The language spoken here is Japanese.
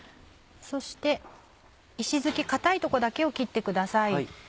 そして石づき硬いとこだけを切ってください。